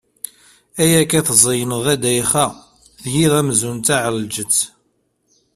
Ayakka tzeyneḍ a Ddayxa, tgiḍ amzun d taɛelǧet!